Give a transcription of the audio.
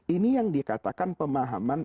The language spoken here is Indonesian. ini yang dikatakan pemahaman